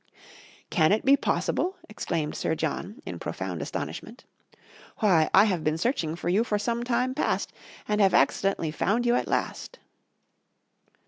"Can it be possible?" exclaimed Sir John, in profound astonishment. "Why, I have been searching for you for some time past, and have accidentally found you at last!"